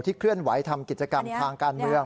เคลื่อนไหวทำกิจกรรมทางการเมือง